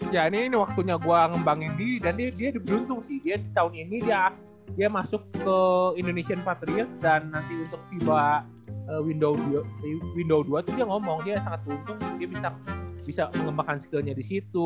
ya ini waktunya gue ngembangin dia dan dia beruntung sih dia tahun ini dia masuk ke indonesian patrialts dan nanti untuk fiba window dua tuh dia ngomong dia sangat untung dia bisa mengembangkan skillnya di situ